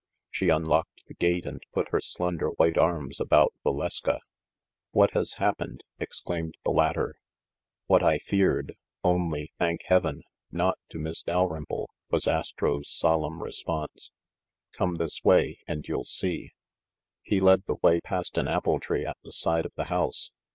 She unlocked the gate and put her slender white arms about Valeska. "What has happened?" exclaimed the latter. "What I feared; only, thank heaven, not to Miss Dalrymple !" was Astro's solemn response. "Come this way and you'll see." He led the way past an apple tree at the side of the house.